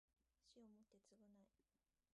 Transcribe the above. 死をもって償え